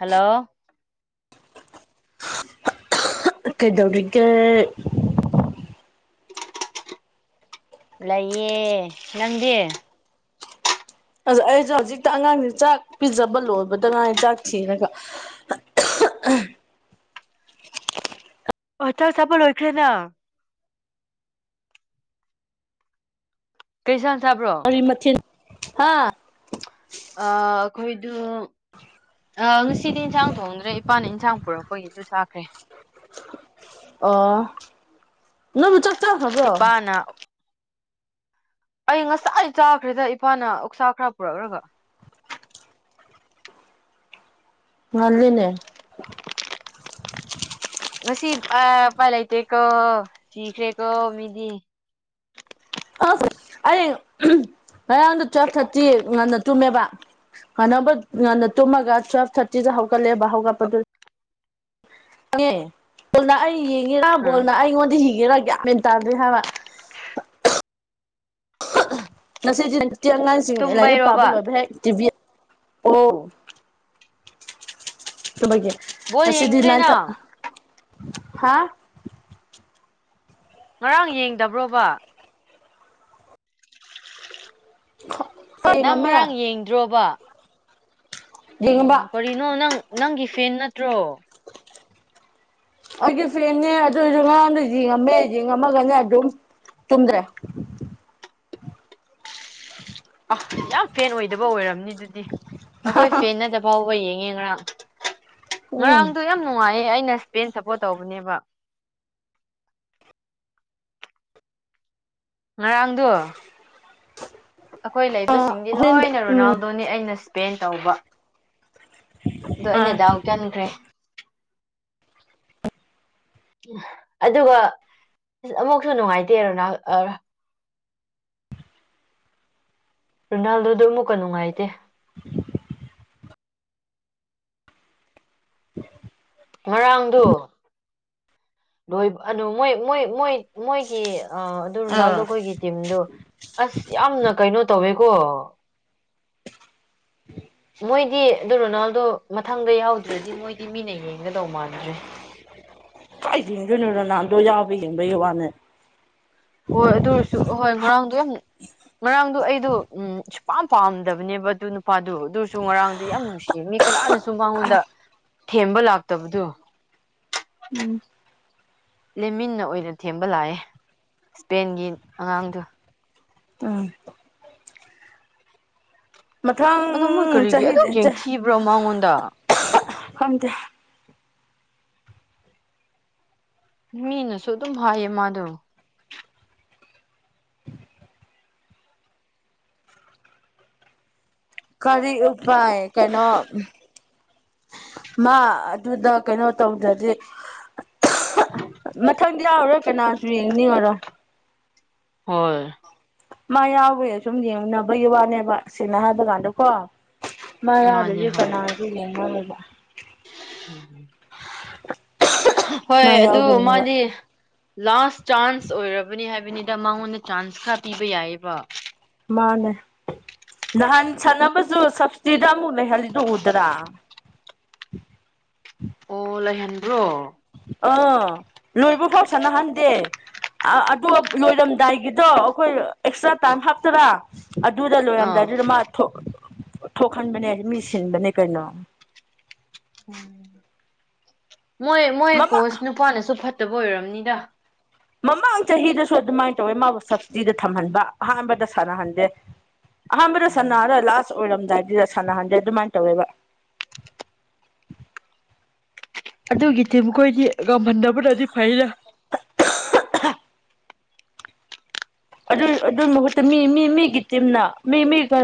hello [unintelligible] ꯀꯩꯗꯧꯔꯤꯒꯦ ꯂꯩꯌꯦ ꯅꯪꯗꯤ ꯑꯗꯨ ꯑꯩꯖꯨ ꯍꯧꯖꯤꯛꯇ ꯑꯉꯥꯡꯖꯦ ꯆꯥꯛ ꯄꯤꯖꯕ ꯂꯣꯏꯕꯗ ꯉꯥꯏꯔꯤ ꯆꯥꯛ ꯊꯤꯔꯒ [unintelligible] ꯑꯣꯇꯔ ꯆꯠꯄ ꯂꯣꯏꯈ꯭ꯔꯦꯅ ꯀꯩ ꯏꯟꯁꯥꯡ ꯆꯥꯕ꯭ꯔꯣ ꯑꯔꯤ ꯃꯊꯦꯜ ꯍꯥ ꯑ ꯑꯈꯣꯏꯗꯨ ꯑ ꯉꯁꯤꯗꯤ ꯏꯟꯁꯥꯡ ꯊꯣꯡꯗ꯭ꯔꯦ ꯏꯄꯥꯅ ꯏꯟꯁꯥꯡ ꯄꯨꯔꯛꯄꯒꯤꯗꯨ ꯆꯥꯈ꯭ꯔꯦ ꯑꯣ ꯅꯣꯏꯕꯨ ꯆꯥꯛ ꯆꯥꯈ꯭ꯔꯕ꯭ꯔꯣ ꯏꯄꯥꯅ ꯑꯩ ꯉꯁꯥꯏ ꯆꯥꯈ꯭ꯔꯦꯗ ꯏꯄꯥꯥꯅ ꯑꯣꯛꯁꯥ ꯈꯔ ꯄꯨꯔꯛꯂꯒ ꯉꯜꯂꯤꯅꯦ ꯉꯁꯤ ꯑ ꯄꯥꯏ ꯂꯩꯇꯦꯀꯣ ꯊꯤꯈ꯭ꯔꯦꯀꯣ ꯃꯤꯗꯤ ꯑꯁ ꯑꯩ ꯉꯔꯥꯡꯗꯣ ꯇꯨꯋꯦꯜꯐ ꯊꯥꯔꯇꯤ ꯉꯟꯅ ꯇꯨꯝꯃꯦꯕ ꯍꯥꯟꯅꯅꯕ ꯉꯟꯅ ꯇꯨꯝꯃꯒ ꯇꯨꯋꯦꯜꯞ ꯊꯥꯔꯇꯤꯗ ꯍꯧꯒꯠꯂꯦꯕ ꯍꯧꯒꯠꯄꯗꯨ ꯉꯦ ꯕꯣꯜꯅ ꯑꯩ ꯌꯦꯡꯉꯤꯔ ꯎꯝ ꯕꯣꯜꯅ ꯑꯩꯉꯣꯟꯗ ꯌꯦꯡ ꯉꯤꯔ ꯒꯌꯥꯟ ꯃꯦꯟ ꯇꯥꯗꯔꯦ ꯍꯥꯏꯕ [unintelligible] ꯉꯁꯤꯗꯤ ꯇꯤ ꯑꯉꯥꯡꯁꯤꯡ ꯂꯥꯏꯔꯤꯛ ꯄꯥꯕ ꯇꯨꯝꯕꯩꯔꯣꯕ ꯂꯣꯏꯕ ꯍꯦꯛ ꯇꯤꯚꯤ ꯑꯣ ꯕꯣꯜ ꯉꯁꯤꯗꯤ ꯌꯦꯡꯗ꯭ꯔꯦ ꯅꯥꯏꯟ ꯅꯪ ꯊꯥꯔ ꯍꯥ ꯉꯔꯥꯡ ꯌꯦꯡꯗꯕ꯭ꯔꯣꯕ ꯅꯪ ꯌꯦꯡꯉꯝꯃꯦ ꯉꯔꯥꯡ ꯌꯦꯡꯗ꯭ꯔꯣꯕ ꯌꯦꯡꯉꯝꯕ ꯀꯔꯤꯅꯣ ꯅꯪ ꯅꯪꯒꯤ ꯐꯦꯟ ꯅ ꯑꯩꯒꯤ ꯐ꯭ꯔꯦꯅꯦ ꯑꯗꯨꯑꯣꯏꯖꯨ ꯉꯔꯥꯡꯗꯣ ꯌꯦꯡꯉꯝꯃꯦ ꯌꯦꯡꯉꯝꯃꯒꯅꯦ ꯑꯗꯨꯝ ꯇꯨꯝꯒ꯭ꯔꯦ ꯑ ꯌꯥꯝ ꯐꯦꯟ ꯑꯣꯏꯗꯕ ꯑꯣꯏꯔꯝꯅꯤ ꯑꯗꯨꯗꯤ ꯑꯈꯣꯏ ꯐꯦꯟꯅꯗ ꯐꯥꯎꯕ ꯌꯦꯡ ꯑꯦ ꯉꯔꯥꯡ ꯎꯝ ꯉꯔꯥꯡꯗꯣ ꯌꯥꯝ ꯅꯨꯡꯉꯥꯏꯌꯦ ꯑꯩꯅ ꯁ꯭ꯄꯦꯟ ꯁꯞꯄꯣꯔꯠ ꯇꯧꯕꯅꯦꯕ ꯉꯔꯥꯡꯗꯣ ꯑꯈꯣꯏ ꯑꯥ ꯂꯩꯕꯁꯤꯡꯗꯤ ꯍꯣꯔꯦꯟꯗꯤ ꯂꯣꯏꯅ ꯎꯝ ꯔꯣꯅꯥꯜꯗꯣꯅꯦ ꯑꯩꯅ ꯁ꯭ꯄꯦꯟ ꯇꯧꯕ ꯗꯣ ꯑꯩꯅ ꯗꯥꯎ ꯆꯟꯈ꯭ꯔꯦ [unintelligible] ꯑꯗꯨꯒ ꯑ ꯑꯃꯨꯛꯁꯨ ꯅꯨꯡꯉꯥꯏꯇꯦ ꯔꯣꯅꯥꯜ ꯑ ꯔꯣꯅꯥꯜꯗꯣꯗꯣ ꯑꯃꯨꯛꯀ ꯅꯨꯡꯉꯥꯏꯇꯦ [unintelligible] ꯉꯔꯥꯡꯗꯣ ꯂꯣꯏ ꯑꯗꯨ ꯃꯣꯏ ꯃꯣꯏ ꯃꯣꯏ ꯃꯣꯏꯒꯤ ꯑꯗꯨ ꯔꯣꯅꯥꯜꯗꯣ ꯑꯥ ꯈꯣꯏꯒꯤ ꯇꯤꯝꯗꯣ ꯑꯁ ꯌꯥꯝꯅ ꯀꯩꯅꯣ ꯇꯧꯋꯦ ꯀꯣ ꯃꯣꯏꯗꯤ ꯑꯗꯨ ꯔꯣꯅꯥꯜꯗꯣ ꯃꯊꯪꯗ ꯌꯥꯎꯗ꯭ꯔꯗꯤ ꯃꯣꯏꯗꯤ ꯃꯤꯅ ꯌꯦꯡꯒꯗꯧ ꯃꯥꯟꯗ꯭ꯔꯦ [unintelligible] ꯀꯥꯏ ꯌꯦꯡꯗꯣꯏꯅꯣ ꯔꯣꯅꯥꯜꯗꯣ ꯌꯥꯎꯕꯩ ꯌꯦꯡꯕꯩ ꯋꯥꯅꯦ ꯍꯣꯏ ꯑꯗꯨ ꯑꯣꯏꯔꯁꯨ ꯑꯍꯣꯏ ꯉꯔꯥꯡꯗꯣ ꯌꯥꯝ ꯉꯔꯥꯡꯗꯣ ꯑꯩ ꯗꯨ ꯎꯝ ꯁꯨꯄꯥꯝ ꯄꯥꯝꯗꯕꯅꯦꯕ ꯑꯗꯨ ꯅꯨꯄꯥꯗꯨ ꯑꯗꯨꯁꯨ ꯉꯔꯥꯡꯗꯤ ꯌꯥꯝ ꯅꯨꯡꯁꯤ ꯃꯤ ꯀꯅꯥꯅꯁꯨ ꯃꯥꯉꯣꯟ ꯗ ꯊꯦꯝꯕ ꯂꯥꯛꯇꯕꯗꯨ ꯎꯝ ꯂꯦꯝꯃꯤꯟꯅ ꯑꯣꯏꯅ ꯊꯦꯝꯕ ꯂꯥꯛꯑꯦ ꯁ꯭ꯄꯦꯟꯒꯤ ꯑꯉꯥꯡꯗꯨ ꯎꯝ ꯃꯊꯪ ꯑꯗꯣ ꯃꯣꯏ ꯀꯔꯤꯒꯤ ꯑꯗꯨꯛ ꯆꯍꯤꯗ ꯌꯦꯡꯊꯤꯕ꯭ꯔ ꯃꯉꯣꯟꯗ ꯈꯪꯗꯦ ꯃꯤꯅꯁꯨ ꯑꯗꯨꯝ ꯍꯥꯏꯌꯦ ꯃꯥꯗꯣ ꯀꯔꯤ ꯎꯄꯥꯏ ꯀꯩꯅꯣ ꯃꯥ ꯑꯗꯨꯗ ꯀꯩꯅꯣ ꯇꯧꯗ꯭ꯔꯗꯤ ꯃꯊꯪꯗꯤ ꯌꯥꯎꯔꯣꯏ ꯀꯅꯥꯁꯨ ꯌꯦꯡꯅꯤꯡꯉꯔꯣꯏ ꯍꯣꯏ ꯃꯥ ꯌꯥꯎꯕꯩ ꯁꯨꯝ ꯌꯦꯡꯅꯕꯩ ꯋꯥꯅꯦꯕ ꯁꯦꯡꯅ ꯍꯥꯏꯕ ꯀꯥꯟꯗꯀꯣ ꯃꯥ ꯌꯥꯎꯗ꯭ꯔꯗꯤ ꯃꯥꯅꯤ ꯍꯣꯏ ꯀꯅꯥꯁꯨ ꯌꯦꯡꯂꯣꯏ ꯍꯥꯏꯕ [unintelligible] ꯍꯣꯏ ꯃꯥ ꯑꯗꯨ ꯌꯥꯎꯗꯣꯏꯅꯦꯕ ꯃꯥꯗꯤ ꯂꯥꯁ ꯆꯥꯟꯁ ꯑꯣꯏꯔꯕꯅꯤ ꯍꯥꯏ ꯍꯥꯏꯕꯅꯤꯗ ꯃꯉꯣꯟꯗ ꯆꯥꯟꯁ ꯈꯔ ꯄꯤꯕ ꯌꯥꯏꯌꯦꯕ ꯃꯥꯅꯦ ꯅꯍꯥꯟ ꯁꯥꯟꯅꯕꯁꯨ ꯁꯞꯕꯁꯤꯇꯤꯗ ꯑꯃꯨꯛ ꯂꯩꯍꯜꯂꯤꯗꯨ ꯎꯗ꯭ꯔꯥ [inaudible] ꯑꯣ ꯂꯩꯥꯍꯟꯕ꯭ꯔꯣ ꯑꯥ ꯂꯣꯏꯕ ꯐꯥꯎ ꯁꯥꯅꯍꯟꯗꯦ ꯑ ꯑꯗꯣ ꯂꯣꯏꯔꯝꯗꯥꯏꯒꯤꯗꯣ ꯑꯈꯣꯏ ꯑꯦꯛꯁꯇ꯭ꯔꯥ ꯇꯥꯏꯝ ꯍꯥꯞꯇꯔꯥ ꯑꯗꯨꯗ ꯑꯥ ꯂꯣꯏꯔꯝꯗꯥꯏꯗꯨꯗ ꯃꯥ ꯊꯣꯛ ꯊꯣꯛꯍꯟꯕꯅꯦ ꯃꯤ ꯁꯤꯟꯕꯅꯦ ꯀꯩꯅꯣ ꯎꯝ ꯃꯣꯏ ꯃꯣꯏ ꯃꯃꯥ ꯀꯣꯁ ꯅꯨꯨꯄꯥꯅꯁꯨ ꯐꯠꯇ ꯕ ꯑꯣꯏꯔꯝꯅꯤꯗ ꯃꯃꯥꯡ ꯆꯍꯤꯗꯁꯨ ꯑꯗꯨꯃꯥꯏ ꯇꯧꯋꯦ ꯃꯥꯕꯨ ꯁꯕꯁꯤꯇꯤꯗ ꯊꯝꯍꯟꯕ ꯑꯍꯥꯟꯕꯗ ꯁꯥꯟꯅꯍꯟꯗꯦ ꯑꯍꯥꯟꯕꯗ ꯁꯥꯟꯅꯔ ꯂꯥꯁ ꯑꯣꯏꯔꯝꯗꯥꯏꯗꯨꯗ ꯁꯥꯟꯅꯍꯟꯗꯦ ꯑꯗꯨꯃꯥꯏꯅ ꯇꯧꯋꯦꯕ ꯑꯗꯨꯒꯤꯗꯤ ꯃꯈꯣꯏꯗꯤ ꯉꯝꯍꯟꯗꯕꯅꯗꯤ ꯐꯩꯗꯥ ꯑꯗꯨ ꯑꯗꯨꯏ ꯃꯍꯨꯠꯇ ꯃꯤ ꯃꯤ ꯃꯤꯒꯤ ꯇꯤꯝꯅ ꯃꯤ ꯃꯤꯒꯤ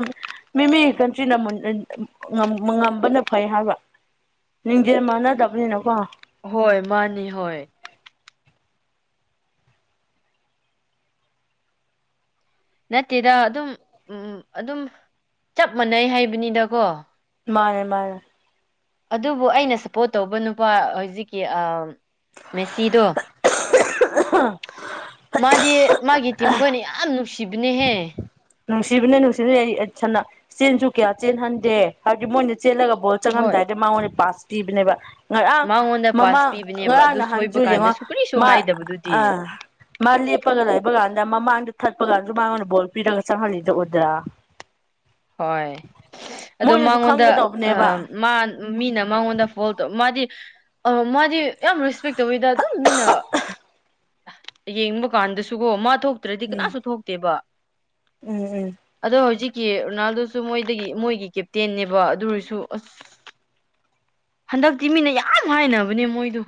ꯃꯤ ꯃꯤꯒꯤ ꯀꯟꯇ꯭ꯔꯤꯅ ꯉꯝꯕꯅ ꯐꯩ ꯍꯥꯏꯕ ꯂꯤꯡꯡꯖꯦꯜ ꯃꯥꯟꯅꯗꯕꯅꯤꯅꯀꯣ ꯍꯣꯏ ꯃꯥꯅꯤ ꯍꯣꯏ ꯅꯠꯇꯦꯗ ꯑꯗꯨꯝ ꯎꯝ ꯑꯗꯨꯝ ꯆꯞ ꯃꯥꯟꯅꯩ ꯍꯥꯏꯕꯅꯤꯗꯀꯣ ꯃꯥꯅꯦ ꯃꯥꯅꯦ ꯑꯗꯨꯕꯨ ꯑꯩꯅ ꯁꯞꯄꯣꯔꯠ ꯇꯧꯕ ꯅꯨꯄꯥ ꯍꯧꯖꯤꯛꯀꯤ ꯑꯥ ꯃꯦꯁꯤꯗꯣ ꯃꯥꯗꯤ ꯃꯥꯒꯤ ꯇꯤꯝ ꯈꯣꯏꯅ ꯌꯥꯝ ꯅꯨꯡꯁꯤꯕꯅꯦꯍꯦ ꯅꯨꯡꯁꯤꯕꯅꯦ ꯅꯨꯡꯁꯤꯕꯅꯦ ꯆꯦꯟꯁꯨ ꯀꯌꯥ ꯆꯦꯟꯍꯟꯗꯦ ꯍꯥꯏꯕꯗꯤ ꯃꯣꯏꯅ ꯆꯦꯜꯂꯒ ꯕꯣꯜ ꯍꯣꯏ ꯆꯪꯉꯝꯗꯥꯏꯗ ꯃꯉꯣꯟꯗ ꯄꯥꯁ ꯄꯤꯕꯅꯦꯕ ꯉꯔꯥꯡ ꯃꯉꯣꯟꯗ ꯄꯥꯁ ꯃꯃꯥꯡ ꯄꯤꯕꯅꯦꯕ ꯉꯔꯥꯡ ꯑꯗꯨ ꯁꯣꯏꯕ ꯅꯍꯥꯟꯁꯨ ꯌꯦꯡꯉꯣ ꯀꯥꯟꯗꯁꯨ ꯀꯔꯤꯁꯨ ꯃꯥ ꯍꯥꯏꯗꯕꯗꯨꯗꯤ ꯑꯥ ꯃꯥ ꯂꯦꯞꯄ ꯂꯩꯕ ꯀꯥꯟꯗ ꯃꯃꯥꯡꯗ ꯊꯠꯄ ꯀꯥꯟꯁꯨ ꯃꯉꯣꯟꯗ ꯕꯣꯜ ꯄꯤꯔꯒ ꯆꯪꯍꯜꯂꯤꯗꯣ ꯎꯗ꯭ꯔꯥ ꯍꯣꯏ ꯑꯗꯣ ꯃꯣꯏꯅꯁꯨ ꯃꯉꯣꯟꯗ ꯈꯪꯒꯗꯧꯕꯅꯦꯕ ꯑꯤ ꯃꯥ ꯃꯤꯅ ꯃꯉꯣꯟꯗ ꯐꯣꯜ ꯇꯧ ꯃꯥꯗꯤ ꯑꯥ ꯃꯥꯗꯤ ꯌꯥꯝ ꯔꯦꯁꯄꯦꯛ ꯇꯧꯋꯤꯗ ꯑꯗꯨꯝ ꯃꯤꯅ ꯌꯦꯡꯕ ꯀꯥꯟꯗꯁꯨꯀꯣ ꯃꯥ ꯊꯣꯛꯇ꯭ꯔꯗꯤ ꯎꯝ ꯀꯅꯥꯁꯨ ꯊꯣꯛꯇꯦꯕ ꯎꯝ ꯎꯝ ꯑꯗꯣ ꯍꯧꯖꯤꯛꯀꯤ ꯔꯣꯅꯥꯜꯗꯣꯁꯨ ꯃꯣꯏꯗꯒꯤ ꯃꯣꯏꯒꯤ ꯀꯦꯞꯇꯦꯟꯅꯦꯕ ꯑꯗꯨ ꯑꯣꯏꯔꯁꯨ ꯑꯁ ꯍꯟꯗꯛꯇꯤ ꯃꯤꯅ ꯌꯥꯝ ꯍꯥꯏꯅꯕꯅꯦ ꯃꯣꯏꯗꯨ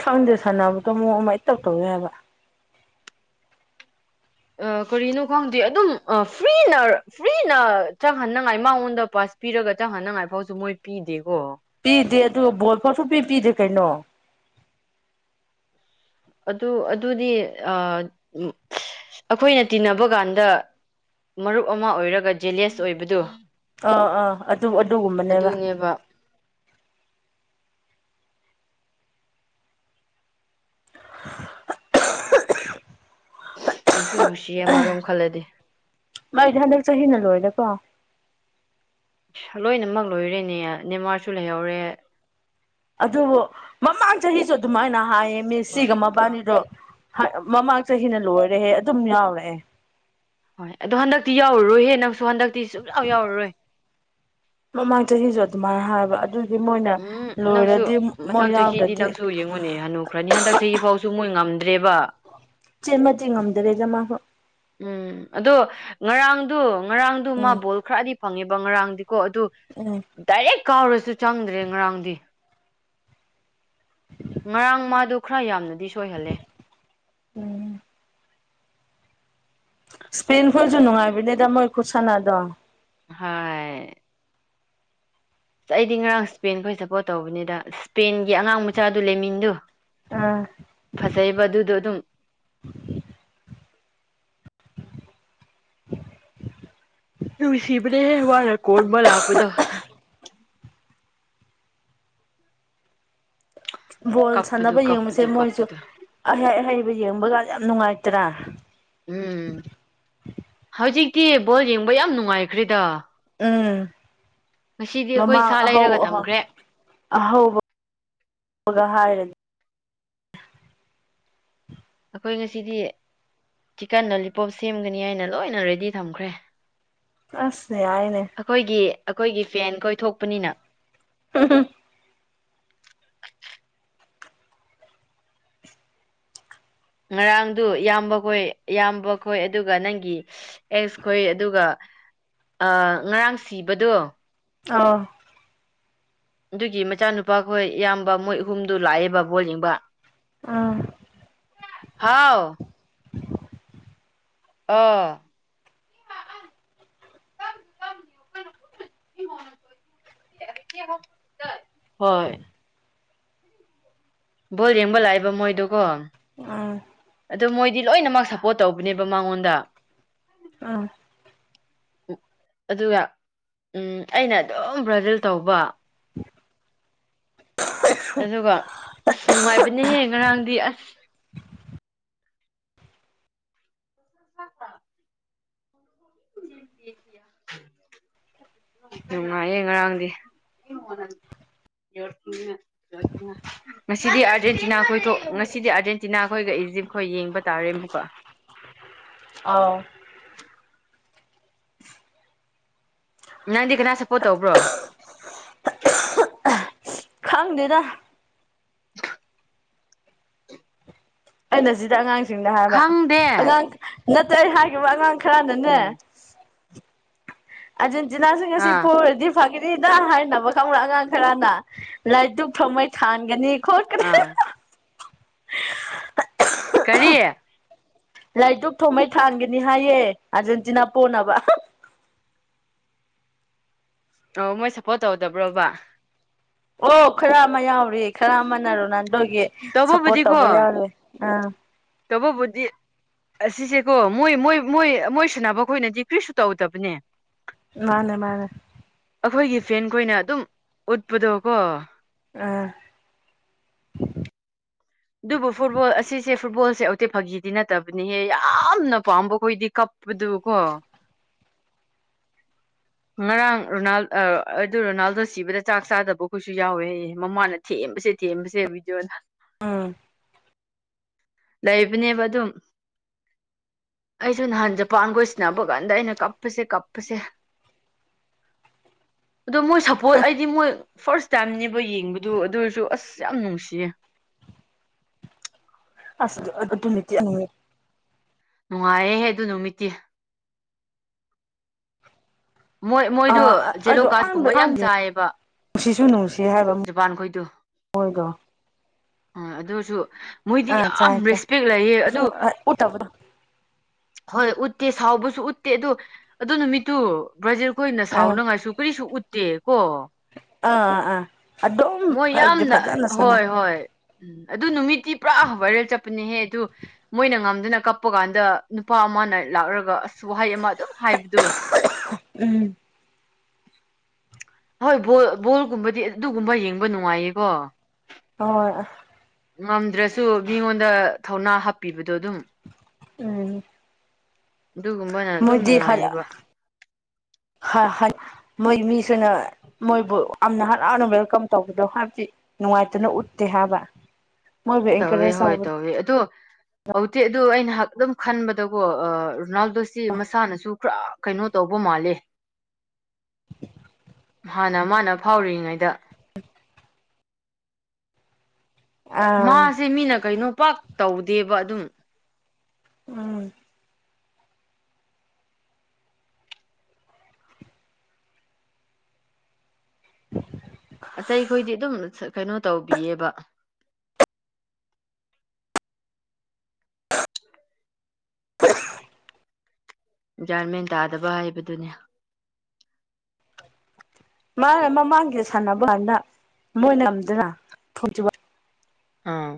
ꯈꯪꯗꯦ ꯁꯥꯟꯅꯕꯗꯣ ꯑꯃꯨꯛ ꯑꯃ ꯏꯇꯧ ꯇꯧꯋꯦ ꯍꯥꯏꯕ ꯑꯥ ꯀꯔꯤꯅꯣ ꯈꯪꯗꯦ ꯑꯗꯨꯝ ꯑꯥ ꯐ꯭ꯔꯤꯅ ꯐ꯭ꯔꯤꯅ ꯆꯪꯍꯟꯅꯤꯡꯉꯥꯏ ꯃꯉꯣꯟꯗ ꯄꯥꯁ ꯄꯤꯔꯒ ꯆꯪꯍꯅꯉꯥꯏꯐꯥꯎꯁꯨ ꯃꯣꯏ ꯄꯤꯗꯦ ꯄꯤꯗꯦ ꯑꯗꯨ ꯕꯣꯜꯐꯥꯎ ꯁꯨꯄꯤ ꯄꯗꯦ ꯀꯩꯅꯣ ꯑꯗꯨ ꯑꯗꯨꯗꯤ ꯑꯥ ꯑꯩꯈꯣꯏꯅ ꯇꯤꯟꯅꯕ ꯀꯥꯟꯗ ꯃꯔꯨꯞ ꯑꯃ ꯑꯣꯏꯔꯒ ꯖꯦꯂꯦꯁ ꯑꯣꯏꯕꯗꯨ ꯑꯥ ꯑꯥ ꯑꯗꯨ ꯑꯗꯨꯒꯨꯝꯕꯅꯦꯕ ꯑꯗꯨꯅꯦꯕ [unintelligible] ꯅꯨꯡꯁꯨ ꯅꯨꯡꯁꯤꯌꯦ ꯑꯃꯔꯣꯝ ꯈꯜꯂꯗꯤ ꯃꯥꯏꯗꯤ ꯍꯟꯗꯛ ꯆꯍꯤꯅ ꯂꯣꯏꯔꯦꯀꯣ ꯂꯣꯏꯅꯃꯛ ꯂꯣꯏꯔꯦꯅꯦ ꯅꯦꯋꯥꯥꯔꯁꯨ ꯂꯩꯍꯧꯔꯦ ꯑꯗꯨꯕꯨ ꯃꯃꯥꯡ ꯆꯍꯤꯁꯨ ꯑꯗꯨꯃꯥꯏꯅ ꯍꯥꯏꯌꯦ ꯃꯦꯁꯤꯒ ꯃꯕꯥꯅꯤꯗꯣ ꯃꯃꯥꯡ ꯆꯍꯤ ꯅꯥ ꯂꯣꯏꯔꯦꯍꯦ ꯑꯗꯨꯝ ꯌꯥꯎꯔꯑꯦ ꯍꯣꯏ ꯑꯗꯣ ꯍꯟꯗꯛꯇꯤ ꯌꯥꯎꯔꯨꯔꯣꯏ ꯍꯦ ꯅꯪꯁꯨ ꯍꯟꯗꯛꯇꯤ ꯁꯨꯡꯆꯥꯎ ꯌꯥꯎꯔꯔꯣꯏ ꯃꯃꯥꯡ ꯆꯍꯤꯁꯨ ꯑꯗꯨꯃꯥꯏꯅ ꯍꯥꯏꯕ ꯑꯗꯨ ꯎꯝ ꯅꯪꯁꯨ ꯃꯊꯪ ꯆꯍꯤꯗꯤ ꯌꯥꯎꯗ꯭ꯔꯗꯤ ꯅꯪꯁꯨ ꯌꯦꯡꯉꯨꯅꯦ ꯍꯅꯨꯈ꯭ꯔꯅꯤ ꯍꯟꯗꯛ ꯆꯍꯤ ꯐꯥꯎꯁꯨ ꯃꯣꯏ ꯉꯝꯗ ꯗ꯭ꯔꯦꯕ ꯆꯦꯃ ꯆꯤ ꯉꯝꯗ꯭ꯔꯦꯗ ꯃꯥꯁꯨ ꯎꯝ ꯑꯗꯣ ꯉꯔꯥꯡꯗꯨ ꯉꯔꯥꯡꯗꯨ ꯃꯥ ꯎꯝ ꯕꯣꯜ ꯈꯔꯗꯤ ꯐꯪꯉꯦꯕ ꯉꯔꯥꯡꯗꯤ ꯀꯣ ꯑꯗꯨ ꯎꯝ ꯗꯥꯏꯔꯦꯛ ꯀꯥꯎꯔꯁꯨ ꯆꯪꯗ꯭ꯔꯦ ꯉꯔꯥꯡꯗꯤ ꯉꯔꯥꯡ ꯃꯥꯗꯣ ꯈꯔ ꯌꯥꯝꯅꯗꯤ ꯁꯣꯏꯍꯜꯂꯦ ꯎꯝ ꯁꯄꯦꯟ ꯐꯁꯨ ꯅꯨꯡꯉꯥꯏꯕꯤꯗꯤꯗ ꯃꯣꯏ ꯈꯨ ꯁꯥꯟꯗꯣ ꯍꯥꯏ ꯑꯁ ꯑꯩꯗꯤ ꯉꯔꯥꯡ ꯁ꯭ꯄꯦꯟꯈꯣꯏ ꯁꯞꯄꯣꯔꯠ ꯇꯧꯕꯅꯤꯗ ꯁ꯭ꯄꯦꯟꯒꯤ ꯑꯉꯥꯡ ꯃꯆꯥꯗꯨ ꯂꯦꯃꯤꯟꯗꯨ ꯑꯥ ꯐꯖꯩꯕ ꯑꯗꯨꯗꯣ ꯑꯗꯨꯝ ꯅꯨꯡꯁꯤꯕꯅꯦꯍꯦ ꯃꯥꯅ ꯀꯣꯟꯕ ꯂꯥꯛꯄꯗꯣ ꯕꯣꯜ ꯀꯞꯄꯗꯨ ꯁꯥꯟꯅꯕ ꯌꯦꯡꯕꯁꯦ ꯀꯞꯄꯗꯨ ꯃꯣꯏꯁꯨ ꯀꯞꯄꯗꯨ ꯑꯍꯩ ꯑꯍꯩꯕ ꯌꯦꯡꯕꯒ ꯌꯥꯝ ꯅꯨꯡꯉꯥꯏꯇ꯭ꯔꯥ ꯎꯝ ꯍꯧꯖꯤꯛꯇꯤ ꯕꯣꯜ ꯌꯦꯡꯕ ꯌꯥꯝ ꯅꯨꯡꯉꯥꯏꯈ꯭ꯔꯦꯗ ꯎꯝ ꯉꯁꯤꯗꯤ ꯑꯩꯈꯣꯏ ꯃꯃꯥꯡ ꯁꯥ ꯑꯍꯧ ꯂꯩꯔꯒ ꯑꯍ ꯊꯝꯈ꯭ꯔꯦ ꯑꯍꯧꯕꯒ ꯍꯥꯏꯔꯗꯤ ꯑꯈꯣꯏ ꯉꯁꯤꯗꯤ ꯆꯤꯛꯀꯟ ꯂꯣꯂꯤꯄꯣꯞ ꯁꯦꯝꯒꯅꯤ ꯍꯥꯏꯅ ꯂꯣꯏꯅ ꯔꯦꯗꯤ ꯊꯝꯈ꯭ꯔꯦ ꯑꯁ ꯌꯥꯏꯅꯦ ꯑꯈꯣꯏꯒꯤ ꯐꯦꯟ ꯈꯣꯏ ꯊꯣꯛꯄꯅꯤꯅ [unintelligible] ꯉꯔꯥꯡꯗꯨ ꯏꯌꯥꯝꯕ ꯈꯣꯏ ꯏꯌꯥꯝꯕ ꯈꯣꯏ ꯑꯗꯨꯒ ꯅꯪꯒꯤ ꯑꯦꯛꯁ ꯈꯣꯏ ꯑꯗꯨꯒ ꯑ ꯉꯔꯥꯡ ꯁꯤꯕꯗꯣ ꯑꯧ ꯗꯨꯒꯤ ꯃꯆꯥꯅꯨꯄꯥꯈꯣꯏ ꯏꯌꯥꯝꯕ ꯃꯣꯏ ꯑꯍꯨꯝꯗꯨ ꯂꯥꯛꯑꯦꯕ ꯕꯣꯜ ꯌꯦꯡꯕ ꯎꯝ ꯍꯥꯎ ꯑꯥ [unintelligible] ꯍꯣꯏ ꯕꯣꯜ ꯌꯦꯡꯕ ꯂꯥꯛꯏꯕ ꯃꯣꯏꯗꯣꯀꯣ ꯑꯥ ꯑꯗꯨꯠ ꯃꯣꯏꯗꯤ ꯂꯣꯏꯅꯃꯛ ꯁꯞꯄꯣꯔꯠ ꯇꯧꯕꯅꯦꯕ ꯃꯉꯣꯟꯗ ꯑꯥ ꯎ ꯑꯗꯨꯒ ꯎꯝ ꯑꯩꯅ ꯑꯗꯨꯝ ꯕ꯭ꯔꯖꯤꯜ ꯇꯧꯕ ꯑꯗꯨꯒ ꯑꯁ ꯅꯨꯡꯉꯥꯏꯕꯅꯦꯍꯦ ꯉꯔꯥꯡꯗꯤ ꯑꯁ [unintelligible] ꯅꯨꯉꯥꯏꯌꯦ ꯉꯔꯥꯡꯗꯤ [unintelligible] ꯉꯁꯤꯗꯤ ꯑꯥꯔꯖꯦꯟꯇꯤꯅꯥ ꯈꯣꯏ ꯊꯣꯛ ꯉꯁꯤꯗꯤ ꯑꯥꯔꯖꯦꯟꯇꯤꯅꯥ ꯈꯣꯏꯒ ꯏꯖꯤꯞꯈꯣꯏ ꯌꯦꯡꯕ ꯇꯥꯔꯦ ꯑꯃꯨꯛꯀ ꯑꯧ ꯅꯪꯗꯤ ꯀꯅꯥ ꯁꯞꯄꯣꯔꯠ ꯇꯧꯕ꯭ꯔꯣ ꯈꯪꯗꯦꯗ ꯑꯩꯅ ꯁꯤꯗ ꯑꯉꯥꯡꯁꯤꯡꯗ ꯍꯥꯏꯕ ꯈꯪꯗꯦ ꯑꯉꯥꯡ ꯅꯠꯇ꯭ꯔ ꯍꯥꯏꯈꯤꯕ ꯑꯉꯥꯡ ꯈꯔꯅꯅꯦ ꯎꯝ ꯑꯥꯔꯖꯦꯟꯇꯤꯅꯥꯁꯤ ꯉꯁꯤ ꯑꯥ ꯄꯣꯔꯗꯤ ꯐꯒꯅꯤꯗ ꯍꯥꯏꯅꯕ ꯈꯪꯅ ꯑꯉꯥꯡ ꯈꯔꯅ ꯂꯥꯏ ꯗꯨꯛ ꯊꯧꯃꯩ ꯊꯥꯟꯒꯅꯤ ꯈꯣꯠꯀꯅꯤ ꯑꯥ [unintelligible] ꯀꯔꯤ ꯂꯥꯏꯗꯨꯛ ꯊꯣꯃꯩ ꯊꯥꯟꯒꯅꯤ ꯍꯥꯏꯌꯦ ꯑꯥꯔꯖꯦꯟꯇꯤꯅꯥ ꯄꯣꯅꯕ [inaudible] ꯑꯣ ꯃꯣꯏ ꯁꯞꯄꯣꯔꯠ ꯇꯧꯗꯕ꯭ꯔꯣꯕ ꯑꯣ ꯈꯔ ꯑꯃ ꯌꯥꯎꯔꯤ ꯈꯔ ꯑꯃꯅ ꯔꯣꯅꯥꯟ ꯗꯣꯒꯤ ꯁꯞꯄꯣꯔꯠ ꯇꯧꯕ ꯇꯧꯕꯕꯨꯗꯤꯀꯣ ꯌꯥꯎꯔꯤ ꯑꯥ ꯇꯧꯕꯕꯨꯗꯤ ꯑꯁꯤꯁꯦꯀꯣ ꯃꯣꯏ ꯃꯣꯏ ꯃꯣꯏ ꯁꯥꯟꯅꯕ ꯈꯣꯏꯅꯗꯤ ꯀ꯭ꯔꯤꯁꯨ ꯇꯧꯗꯕꯅꯦ ꯃꯥꯅꯦ ꯃꯥꯅꯦ ꯑꯈꯣꯏꯒꯤ ꯐꯦꯟꯈꯣꯏꯅ ꯑꯗꯨꯝ ꯎꯠꯄꯗꯣꯀꯣ ꯑꯥ ꯗꯨꯕꯨ ꯐꯨꯠꯕꯣꯜ ꯑꯁꯤꯁꯦ ꯐꯨꯠꯕꯣꯜ ꯁꯦ ꯑꯣꯇꯦ ꯐꯥꯒꯤꯗꯤ ꯅꯠꯇꯕꯅꯤꯍꯦ ꯌꯥꯝꯅ ꯄꯥꯝꯕ ꯈꯣꯏꯗꯤ ꯀꯞꯄꯗꯨ ꯀꯣ [unintelligible] ꯉꯔꯥꯡ ꯔꯣꯅꯥꯜ ꯑꯗꯨ ꯔꯣꯅꯥꯜꯗꯣ ꯁꯤꯕꯗ ꯆꯥꯛ ꯆꯥꯗꯕ ꯈꯣꯏꯁꯨ ꯌꯥꯎꯋꯦꯌꯦ ꯃꯃꯥꯅ ꯊꯦꯝ ꯕꯁꯦ ꯊꯦꯝꯕꯁꯦ ꯕꯤꯗꯤꯑꯣꯅ ꯑꯝ ꯂꯩꯕꯅꯦꯕ ꯑꯗꯨꯝ ꯑꯩꯁꯨ ꯅꯍꯥꯟ ꯖꯄꯥꯟꯈꯣꯏ ꯁꯟꯅꯕ ꯀꯥꯟꯗ ꯑꯩꯅ ꯀꯞꯄꯁꯦ ꯀꯞꯄꯁꯦ [unintelligible] ꯑꯗꯣ ꯃꯣꯏ ꯁꯞꯄꯣꯔꯠ ꯑꯩꯗꯤ ꯃꯣꯏ ꯐꯥꯔꯁ ꯇꯥꯏꯝꯅꯦꯕ ꯌꯦꯡꯕꯗꯨ ꯑꯗꯨ ꯑꯣꯏꯔꯁꯨ ꯑꯁ ꯌꯥꯝ ꯅꯨꯡꯁꯤꯌꯦ ꯑꯁ [unintelligible] ꯅꯨꯉꯥꯏꯌꯦꯍꯦ ꯑꯗꯨ ꯅꯨꯃꯤꯠꯇꯤ ꯃꯣꯏ ꯃꯣꯏꯗꯨ ꯑꯥ ꯖꯦꯂꯣ ꯑꯩꯁꯨ ꯀꯥꯔꯠ ꯑꯍꯥꯟꯕ ꯀꯨꯝꯕ ꯌꯥꯝ ꯑꯍꯥꯟꯕ ꯆꯥꯏꯌꯦꯕ ꯅꯨꯡꯁꯤꯁꯨ ꯅꯨꯡꯁꯤ ꯍꯥꯏꯕ ꯑꯣꯏꯗꯣ ꯑ ꯑꯗꯨꯁꯨ ꯃꯣꯏꯗꯤ ꯌꯥꯝ ꯆꯥꯏ ꯆꯥꯏ ꯔꯦꯁꯄꯦꯛ ꯂꯩꯌꯦ ꯑꯗꯨ ꯁꯨꯝ ꯎꯠꯇꯕꯗꯣ [inaudible] ꯍꯣꯏ ꯎꯠꯇꯦ ꯁꯥꯎꯕꯁꯨ ꯎꯠꯇꯦ ꯑꯗꯨ ꯑꯗꯨ ꯅꯨꯃꯤꯠꯇꯨ ꯕ꯭ꯔꯖꯤꯜ ꯈꯣꯏꯅ ꯑꯥ ꯁꯥꯎꯅꯉꯥꯏꯁꯨ ꯀꯔꯤꯁꯨ ꯎꯠꯇꯦ ꯀꯣ ꯑꯥ ꯑꯥ ꯑꯗꯨꯝ ꯃꯣꯏ ꯍꯥꯏꯕꯗꯤ ꯌꯥꯝꯅ ꯐꯖꯅ ꯁꯥꯟꯅꯩ ꯍꯣꯏ ꯍꯣꯏ ꯎꯝ ꯑꯗꯨ ꯅꯨꯃꯤꯠꯇꯤ ꯄꯨꯔꯥ ꯚꯥꯏꯔꯦꯜ ꯆꯠꯄꯅꯦꯍꯦ ꯗꯨ ꯃꯣꯏꯅ ꯉꯝꯗꯨꯅ ꯀꯞꯄ ꯀꯥꯟꯗ ꯅꯨꯄꯥ ꯑꯃꯅ ꯂꯥꯛꯂꯒ ꯑꯁ ꯋꯥꯍꯩ ꯑꯃ ꯑꯗꯨꯝ ꯍꯥꯏꯕꯗꯨ [unintelligible] ꯎꯝ ꯍꯣꯏ ꯕꯣꯜ ꯕꯣꯜꯒꯨꯝꯕꯗꯤ ꯑꯗꯨꯒꯨꯝꯕ ꯌꯦꯡꯕ ꯅꯨꯡꯉꯥꯏꯌꯦꯀꯣ [unintelligible] ꯉꯝꯗ꯭ꯔꯁꯨ ꯃꯤꯉꯣꯟꯗ ꯊꯧꯅꯥ ꯍꯥꯞꯄꯤꯕ ꯎꯝ ꯗꯨꯒꯨꯝꯕꯅ ꯑꯗꯨꯝ ꯃꯣꯏꯗꯤ ꯍꯜꯂꯛ ꯅꯨꯡꯉꯥꯏꯌꯦꯕ [unintelligible] ꯃꯣꯏ ꯃꯤꯁꯤꯅ ꯃꯣꯏꯕꯨ ꯑꯝꯅ ꯍꯔꯥꯎꯅ ꯋꯦꯜꯀꯝ ꯇꯧꯕꯗꯣ ꯍꯥꯏꯗꯤ ꯅꯨꯡꯉꯥꯏꯇꯅ ꯎ ꯎꯠꯇꯦ ꯍꯥꯏꯕ ꯃꯣꯏꯕꯨ ꯇꯧꯋꯦ ꯑꯦꯟꯀꯔꯦꯖ ꯍꯣꯏ ꯇꯧꯕ ꯇꯧꯋꯦ ꯑꯗꯣ ꯍꯧꯇꯤ ꯑꯗꯨ ꯑꯩꯅ ꯑꯗꯨꯝ ꯈꯟꯕꯗꯀꯣ ꯔꯣꯅꯥꯜꯗꯣꯁꯤ ꯃꯁꯥꯅꯁꯨ ꯈꯔ ꯀꯩꯅꯣ ꯇꯧꯕ ꯃꯥꯜꯂꯦ [unintelligible] ꯍꯥꯟꯅ ꯃꯥꯅ ꯐꯥꯎꯔꯤꯉꯩꯗ [inaudible] ꯑꯥ ꯃꯥꯁꯦ ꯃꯤꯅ ꯀꯩꯅꯣ ꯄꯥꯛ ꯇꯧꯗꯦꯕ ꯑꯗꯨꯝ ꯎꯝ [inaudible] ꯑꯇꯩ ꯈꯣꯏꯗꯤ ꯑꯗꯨꯝ ꯀꯩꯅꯣ ꯇꯧꯕꯤꯌꯦꯕ [unintelligible] ꯒ꯭ꯌꯥꯟꯃꯦꯟ ꯇꯥꯗꯕ ꯍꯥꯏꯕꯗꯨꯅꯦ [inaudible] ꯃꯥꯅ ꯃꯃꯥꯡꯒꯤꯗ ꯁꯥꯟꯅꯕ ꯀꯥꯟꯗ ꯃꯣꯏꯅ ꯉꯝꯗꯔꯥ ꯑꯥ